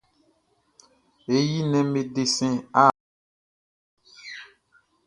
E yi nnɛnʼm be desɛn art blɛ nun.